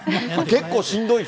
結構しんどい。